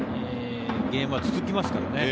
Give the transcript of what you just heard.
ゲームは続きますからね。